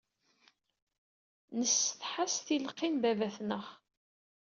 Nessetḥa s tleqqi n baba-tneɣ.